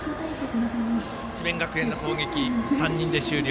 智弁学園の攻撃、３人で終了。